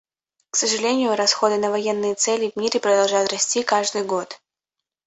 К сожалению, расходы на военные цели в мире продолжают расти каждый год.